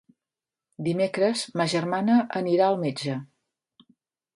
Dimecres ma germana anirà al metge.